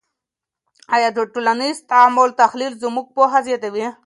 آیا د ټولنیز تعامل تحلیل زموږ پوهه زیاتوي؟